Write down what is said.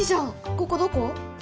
ここどこ？